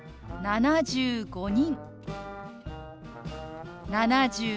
「７５人」。